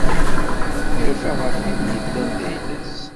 Irfa ɣef win yellan d ayla-s.